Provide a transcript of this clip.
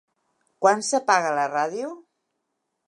Quan s'apaga la ràdio?